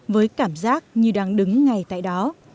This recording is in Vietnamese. với cảm giác như đang đứng ngay tại đó